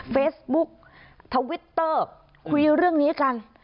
เฟซบุ๊กทวิตเตอร์คุยเรื่องนี้กัน